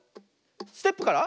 ステップから。